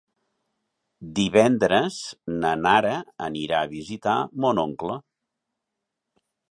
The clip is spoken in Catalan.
Divendres na Nara anirà a visitar mon oncle.